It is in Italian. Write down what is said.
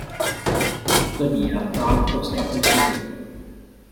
Tuttavia, Ralph scappa in segreto.